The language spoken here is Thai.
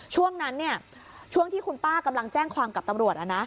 ช่วงนั้นช่วงที่คุณป้ากำลังแจ้งความกับตำรวจ